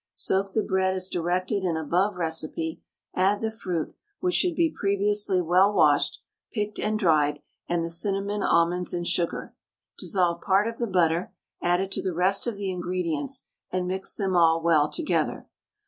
Soak the bread as directed in above recipe, add the fruit, which should be previously well washed, picked, and dried, and the cinnamon, almonds, and sugar. Dissolve part of the butter, add it to the rest of the ingredients, and mix them all well together.